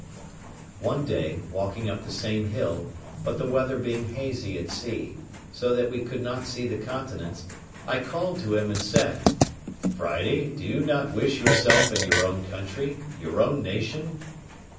One day, walking up the same hill, but the weather being hazy at sea, so that we could not see the continent, I called to him, and said, "Friday, do not you wish yourself in your own country, your own nation?"